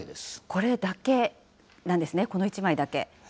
これだけなんですね、この１枚だけ。